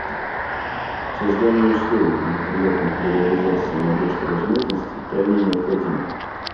Создание условий, благоприятных для реализации надежд и возможностей, крайне необходимо.